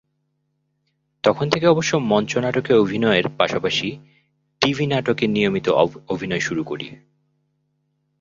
তখন থেকে অবশ্য মঞ্চনাটকে অভিনয়ের পাশাপাশি টিভি নাটকে নিয়মিত অভিনয় শুরু করি।